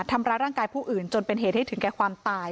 ทำร้ายร่างกายผู้อื่นจนเป็นเหตุให้ถึงแก่ความตาย